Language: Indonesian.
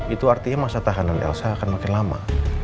itu artinya masa tahanan elsa akan makin lama